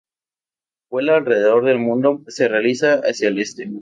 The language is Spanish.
La vuelta alrededor del mundo se realiza hacia el este.